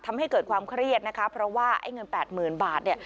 ทำให้เกิดความเครียดนะคะเพราะว่าไอ้เงินแปดหมื่นบาทเนี่ย